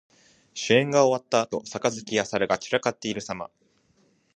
酒宴が終わったあと、杯や皿が散らかっているさま。